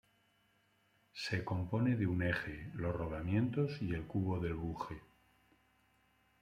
Se compone de un eje, los rodamientos y el cubo del buje.